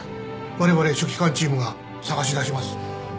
われわれ書記官チームが捜し出します。